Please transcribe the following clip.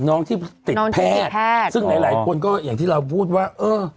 น้องที่เต็ดแพทย์ซึ่งหลายคนอย่างที่เราพูดว่าเอ่อ